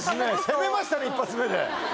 攻めましたね一発目で。